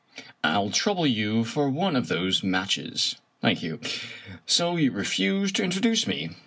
" ril trouble you for one of those matches. Thank you. So you refuse to introduce me!